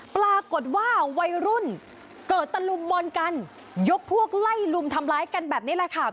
ปรากฏว่าวัยรุ่นเกิดตะลุมบอลกันยกพวกไล่ลุมทำร้ายกันแบบนี้แหละค่ะ